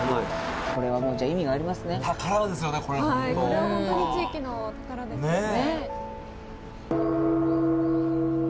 これは本当に地域の宝ですよね。